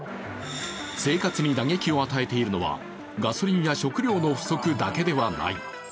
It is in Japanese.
生活に打撃を与えているのはガソリンや食料の不足だけではない。